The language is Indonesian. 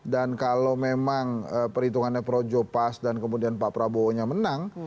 dan kalau memang perhitungannya projo pas dan kemudian pak prabowo nya menang